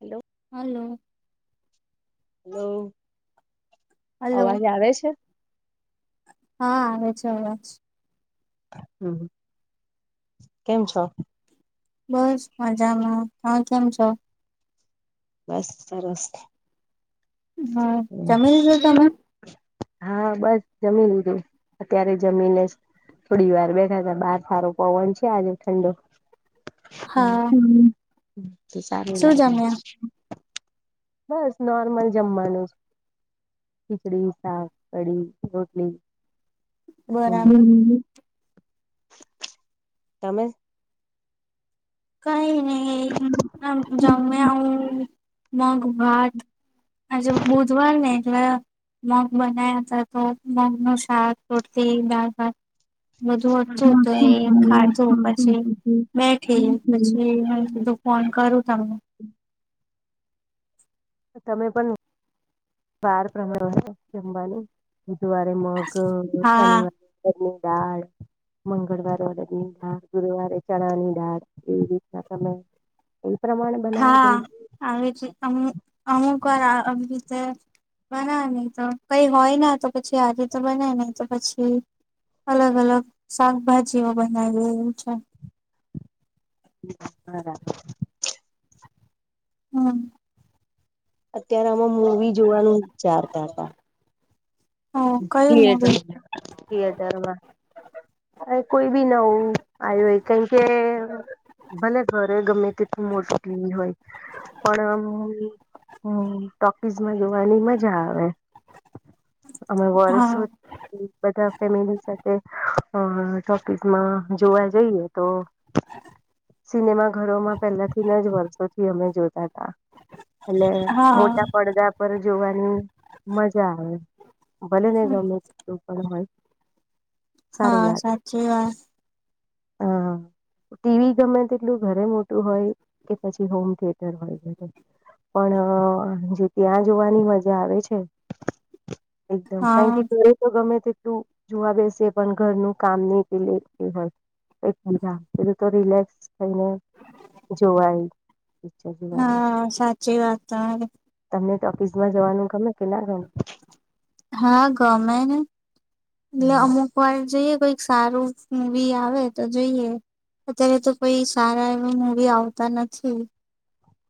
Hello. Hello. Hello, hello અવાજ આવે છે? હા, આવે છે અવાજ. હેલો કેમ છો? બસ મજામાં. હા, કેમ છો? બસ સરસ. હા જમી લીધું હમ. તમે? હા, બસ જમીન લીધું, અત્યારે જમીને જ થોડી વાર બેઠા હતા, બહાર સારો પવન છે, આજે ઠંડો. હ, હા તો સારું શું લાગે જમ્યા? છે. બસ નોર્મલ જમવાનું. ખિચડી, શાક, કઢી, રોટલી. બરાબર તમે. કઈ નહી જમ્યા, હું મગ ભાત. આજે બુધવાર ને એટલે. મગ બનાયા હતા તો, મગ નું શાક, રોટલી, દાળ ભાત. બધું હતું, તો એ ખાધું પછી બેઠી. પછી, હું ફોન કરું તમને. તમે પણ. વાર પ્રમાણે હોય જમવાનું, બુધવારે મગ, હા શનિવારે ઘર ની દાળ. મંગળવારે અડદ ની દાળ, ગુરુવારે ચણા ની દાળ, એવી રીતે બને. એ પ્રમાણે. હા, અમુક વાર આવી રીતે. બનાવી, એ કઈ હોય નહી તો, પછી આજે તો બનાવી નાખી, નહીં તો પછી અલગ-અલગ શાકભાજીઓ બનાવીએ એવું છે. બરાબર. હમ. અત્યારે અમે મુવી જોવાનું, વિચારતા હતા. હ કયું મૂવી થીએટર માં. કોઈ પણ નવું આવ્યું, એ કારણ કે ભલે ઘરે ગમે, તેટલી મોટી સ્ક્રીન હોય. પણ ટોકીઝમાં જોવાની મજા આવે. અમે વર્ષો હા બધા ફેમિલી સાથે ટોકીઝમાં જોવા જઈએ તો સિનેમા ઘરોમાં પેલા થીજ, વર્ષોથી અમે જોતા હતા. એટલે હા મોટા પડદા પર જોવાની મજા આવે. ભલે ગમે તેટલું પણ હોય. સારું હા, સાચી વાત. હા. ટીવી ગમે તેટલું ઘરે મોટું હોય કે, પછી હોમથીએટર હોય ઘરે. પણ જે ત્યાં જોવાની મજા આવે છે. એકદમ, કારણ હા કે ઘરે તો ગમે તેટલું તું જોવા બેસે, પણ ઘરનું કામ નહીં પેલે એ હોય. બી બીધું તો રિલેક્સ થઈને જોવાય. [unintelligible] હા સાચી વાત. તમને તો તોફિસમાં જવાનું ગમે કે ના ગમે? હા, ગમે ને. એટલે ગમે અમુક વાર જોઈએ, કઈક સારું મૂવી આવે તો જોઈએ. અત્યારે તો કોઈ સારા એવા મૂવી આવતા નથી.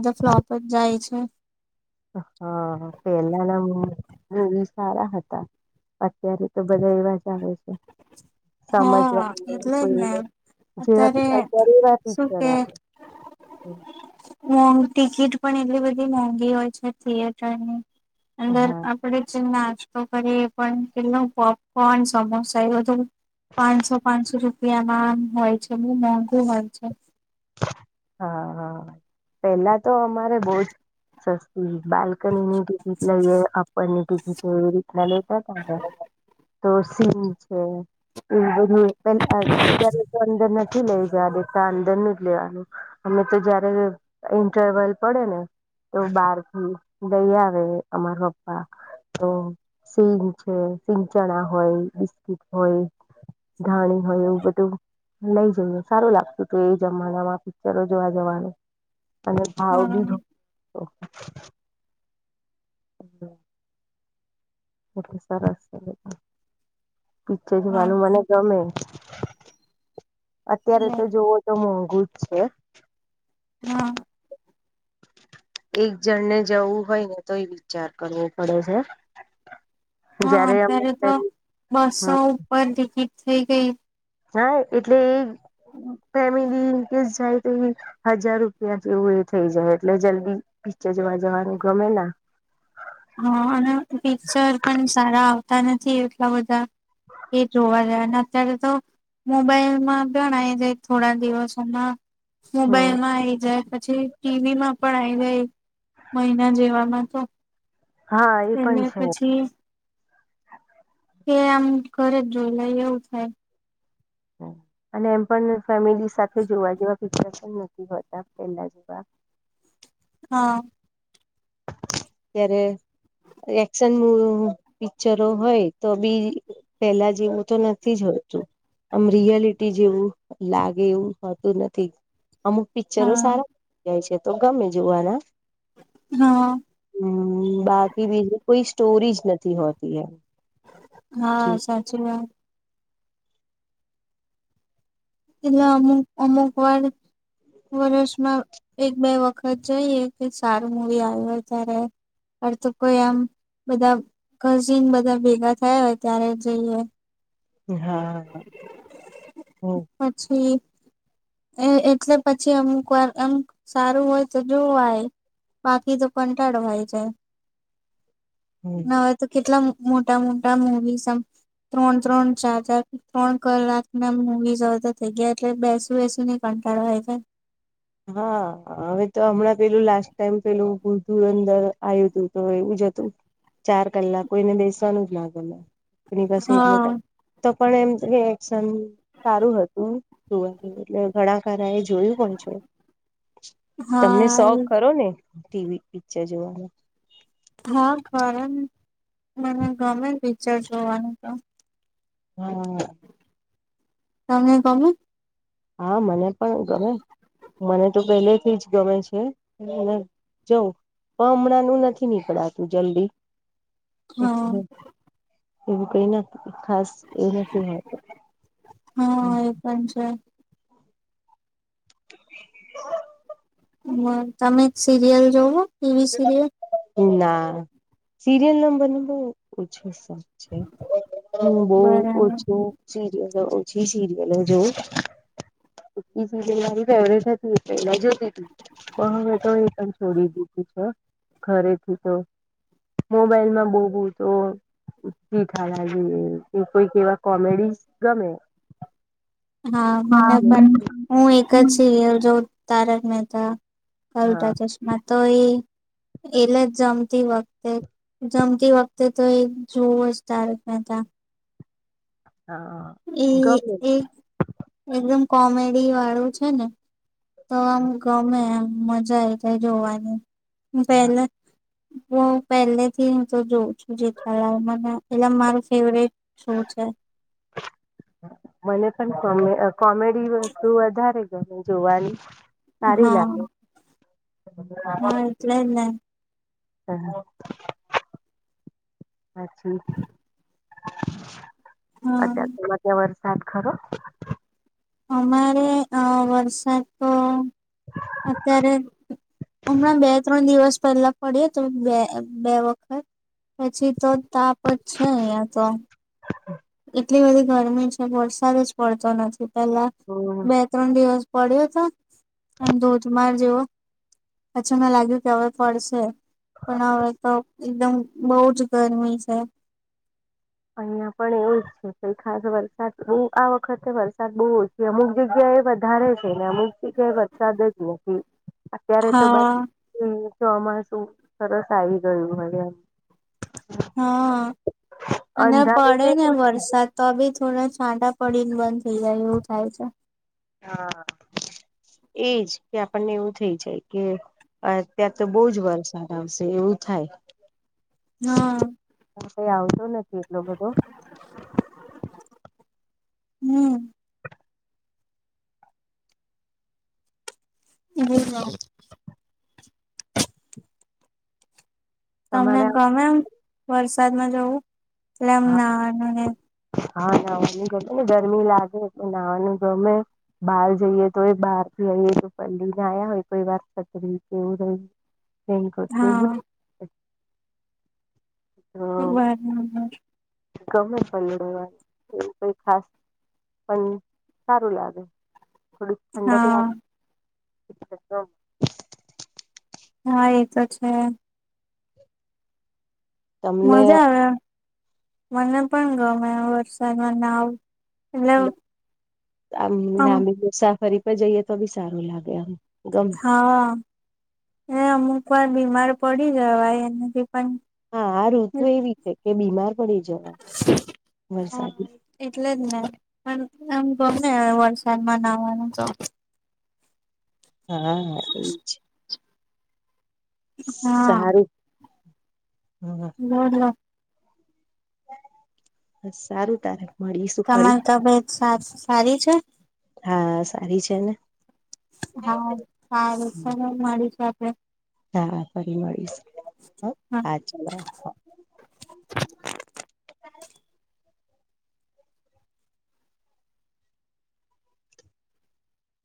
એધા ફ્લોપ જ જાય છે. હા, પેલાના સારા હતા. અત્યારે તો બધા એવા જ આવે છે. હા સમજવાનું એટલે જ ને કોઈ જેવા અત્યારે એવા ટીચર આવે. [unintelligible] મો ટિકિટ પણ એટલી બધી મોંઘી હોય છે, થિયેટરની. અંદર. હા આપડ જ નાસ્તો કરીએ, પણ કેટલો પોપકોર્ન, સમોસા એ બધું. પાંચસો-પાંચસો રૂપિયામાંમ હોય છે, બહુ મોંઘું હોય છે. હા, હા, પેલા તો અમારે બહુ જ. સસ્તી બાલ્કની ની ટિકિટ લઈએ, અપ્પર ની ટિકિટ એવી રીતના લેતા હતા. તો સિમ છે. એવું બધું પ અત્યારે અંદર નથી લઈ જ દેતા અંદરનું. લેવાનું તો, જયારે ઇન્ટરવલ પડે ને. તો બહાર થી ગઈ આવે, અમાર પપ્પા તો સિંગ છે, સિંગ-ચણા હોય, બિસ્કીિટ હોય. ધાણી હોય, એવું બધું લઈ જયું, સારું લાગતું હતું એ. જમાનામાં પિક્ચરો જોવા જવાનું, અને ભાવ હા બી એટલે સરસ છે, પિક્ચર હા જવાનું મને ગમે. અત્યારે તો જોવો તો, મોંઘુ જ છે. હા. એક જણ ને જવું હોય ને તો, એ વિચાર કરવો પડે છે. હા, જયારે અમે અત્યારે તો બસો હા ઉપર ટિકિટ થઈ ગઈ. હા!, એટલે ફેમિલી કેસ જાય તો એ હજાર રૂપિયા જેવું એ થઇ જાય, એટલે જલ્દી પિકચર જોવા જવાનું ગમે ના. હા, અને પિક્ચર પણ સારા આવતા નથી એટલા બધા. જોવા. અત્યારે તો મોબાઈલ માં પણ આવી જાય, થોડા દિવસોમાં હમ મોબાઈલમાં આવી જાય, પછી ટીવી માં પણ આવી જાય, મહિના જેવામાં તો હા, એ પણ એટલે છે. પછી કે, આમ ઘરે જ જોઈ લાય એવું થાય. અને એમ પણ ફેમિલી સાથે જોવા જેવા પિક્ચર પણ નથી હોતા, પેલા જેવા. હા. ત્યારે એક્શન પિક્ચરો હોય તો બી. પેલા જેવું તો નથી જો હોતું. આમ રિયાલિટી જેવુ લાગે, એવું હોતું નથી. અમુક પિક્ચરો હા સારા જાય છે, તો ગમે જોવાના. હા. હમ, બાકી બીજું કોઈ સ્ટોરીજ નથી હોતી એમ. હા, સાચી વાત. પલા અમુક અમુક વાર વર્ષમાં એક બે વખત જઈએ. કે સારું મૂવી આવ્યું. ત્યારે અર તો કોઈ આમ બધા કસીન બધા ભેગા થયા હોય. ત્યારે જઈએ. હા... હ પછી એ પછી અમુક વાર અમક સારું હોય. જોવાય બાકી તો કંટાળો આવી જાય. ન હમ હવે તો કેટલા મોટા મોટા મવીસમ ત્રણ ત્રણ ચાર ચાર ત્રણ કલાક ના મુવીઝ હવ તો થઈ ગયા. એટલે બેસું બેસુ ને કંટાળો આય જાય હા... હા હવે તો હમણાં પેલું લાસ્ટ ટાઈમ પેલું ધુરઅંદર આવ્યું હતું, તો એવું જ હતું. ચાર કલાક કોઈને બેસવાનું જ ગમે. એની પાસે એટલ હા તો પણ એમ રિએક્શન સારુ હતું, જોવા એટલે ઘણાખરા એ જોયું પણ છે. તમને હા શોખ એ ખરો ને ટીવી પિક્ચર જોવાનો? હા ખરો ને મને ગમે પિક્ચર જોવાનુ તો હા.... તમને ગમે? હા મને તો ગમે મને તો પહેલેથી જ ગમે છે. જઉ પણ હમણાંનું નથી નીકળાતું જલ્દી. હા એટલે એવું કઈ નથી, ખાસ એવું નથી. હોતુ હા એ પણ છે. [unintelligible] [inaudible] હ તમે સીરિયલ જોવો? TV serial. ના સિરિયલ [unintelligible] ઓછો હ બહ બરાબર ઓછું. સીરિયલો ઓછી સીરિયલો જોવ એક બે સીરિયલ મારી ફેવરેટ હતી. એ પહેલા જોતી હતી. પણ હવે તો એ પણ છોડી દીધી. ઘરેથી મોબાઈલમાં બઉ બઉ તો જીઠાલાલ જોઈએ. એ કોઈક એવા કોમેડી ગમે. હા મને પણ હું એક જ છ. જોઉ તારક મેહતા, કા હા ઉલ્ટા ચશ્મા તો એ એલે જ જમતી વખતે જમતી તો એક જોવું જ તારક મેતા હા... એ ગમે એક એકદમ કોમેડી વાળું છે ને તો આમ ગમે આમ મજા આવી જાય જોવાની પેલા હ પેહલે થી હું તો જોઉં છું. જેઠાલાલ મને એટલે મારું ફેવરીટ શો છે. મને પણ કો કોમેડી વસ્તુ વધારે જોવાની સારી હા લાગે. હા એટલે જ ને [unintelligible] હા અત્યાર તમાર તા વરસાદ ખરો? અમારે અ વરસાદ તો અત્યારે હમણાં બે ત્રણ દિવસ પહેલા પડ્યો તો બે બે વખત પછી તો તાપ જ છે અહિયાં તો. [unintelligible] એટલી બધી ગરમી છે, વરસાદ જ પડતો નથી પેલા હમ બે ત્રણ દિવસ પડ્યો હતો અને ધોધમાર જેવો. અચ્છા મેં લાગ્યું કે હવે પડશે. પણ હવે તો એકદમ બહુ જ ગરમી છે. અહિયાં પણ એવું જ છે, પણ ખાસ વરસાદ બહું આ વખતે વરસાદ બહુ ઓ એ અમુક જગ્યા એ વધારે છે, ને અમુક એ કે વરસાદ જ નથી અત્યારે તો બસ હા એ ચોમાસું સરસ આવી ગયું [unintelligible] હા અને અંધારું તો પડે ને એવું જ છે. વરસાદ તો બી થોડા છાંટા પડીને બંધ થઇ જાય એવું થાય છે. હા એ જ કે આપણને એવું થઇ જાય કે અત્યાર તો બહુ જ વરસાદ આવશે એવું થાય. હમ્મ પણ કાઈ આવતો નથી એટલો બધો. હમ્મ. [unintelligible] તમને તમારે ગમે એમ વરસાદમાં જવું એટલે એમ હા [unintelligible] હા નાહવાનું ગમે ને ગરમી લાગે તો નાહવાનું ગમે. બહાર જઈએ તો એ બહાર થી આઈએ તો પલડીને આયા હોય કોઈ વાર છતરી કે એવું [unintelligible] રેઇનકોટ કે હા [unintelligible] [unintelligible] ગમે પલડવા એવુ કઈ ખાસ. પણ સારું લાગે થોડુંક ઠંડક લાગે હા એટલે તો હા એ તો છે. તમને મજા આવે મને પણ ગમે વરસાદમાં નાવુ. [unintelligible] આમ લાંબી મુસાફરી પર જઈએ તો બી સારું લાગે આમ. ગમે હા એ અમુક વાર બીમાર પડી જવાય એનાથી પણ. હા આ ઋતુ એવી છે કે બીમાર પડી જવાય હા વરસાદી. એટલે જ ને પણ આમ ગમે વરસાદમાં નાવાનું તો. હા એવુ જ છે. હા સારું હમ્મ. ના ના બસ સારું તારે. મળીશું ફરી તમારી તબિયત સા સારી છે? હા સારી છે ને. હા સારી છે ને મળીશું આપડે. હા ફરી મળીશ હા ચલો.